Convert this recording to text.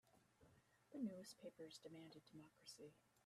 The newspapers demanded democracy.